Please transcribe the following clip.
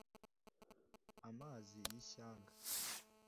amazi y’ishyanga